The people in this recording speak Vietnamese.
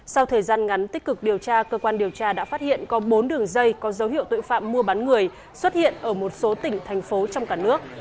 sau thời gian ngắn tích cực điều tra cơ quan điều tra đã phát hiện có bốn đường dây có dấu hiệu tội phạm mua bán người xuất hiện ở một số tỉnh thành phố trong cả nước